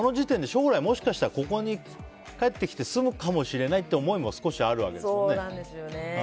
将来、もしかしたらここに帰ってきて住むかもしれないという思いも少しあるわけですもんね。